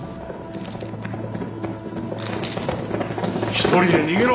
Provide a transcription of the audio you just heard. ・一人で逃げろ！